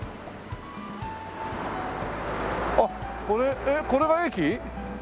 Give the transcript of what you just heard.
あっこれえっこれが駅？